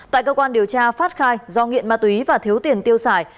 tại cơ quan điều tra phát khai do nghiện ma túy và thiếu tiền tiêu xài